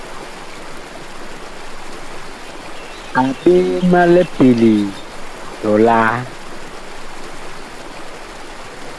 A ɓee ma lipelee tɔlaa !